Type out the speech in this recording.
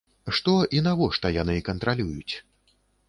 Што і навошта яны кантралююць?